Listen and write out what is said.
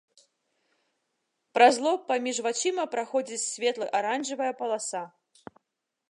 Праз лоб паміж вачыма праходзіць светла-аранжавая паласа.